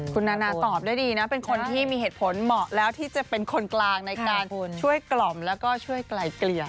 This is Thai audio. คุณนานาตอบได้ดีนะเป็นคนที่มีเหตุผลเหมาะแล้วที่จะเป็นคนกลางในการช่วยกล่อมแล้วก็ช่วยไกลเกลี่ย